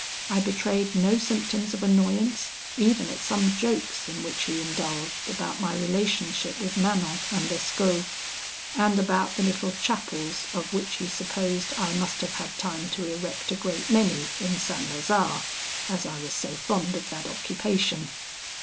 I betrayed no symptoms of annoyance even at some jokes in which he indulged about my relationship with Manon and Lescaut, and about the little chapels of which he supposed I must have had time to erect a great many in St. Lazare, as I was so fond of that occupation.